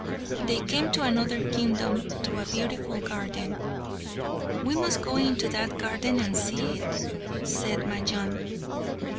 They came to another kingdom, to a beautiful garden. "We must go into that garden and see it," said Majnun.